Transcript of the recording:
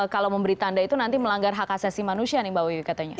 kalau memberi tanda itu nanti melanggar hak asasi manusia nih mbak wiwi katanya